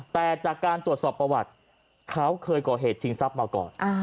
แต่จากการตรวจสอบประวัติเขาเคยก่อเหตุชิงทรัพย์มาก่อน